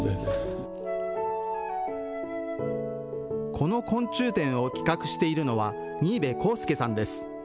この昆虫展を企画しているのは新部公亮さんです。